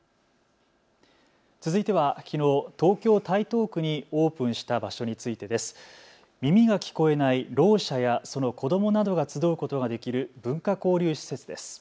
続いてはきのう、東京台東区にオープンした場所についてです。耳が聞こえないろう者やその子どもなどが集うことができる文化交流施設です。